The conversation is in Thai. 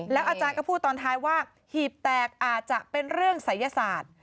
อาจารย์ก็พูดตอนท้ายว่าหีบแตกอาจจะเป็นเรื่องศัยศาสตร์